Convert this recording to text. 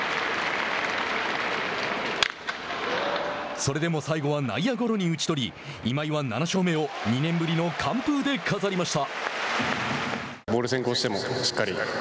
それでも最後は内野ゴロに打ち取り今井は７勝目を２年ぶりの完封で飾りました。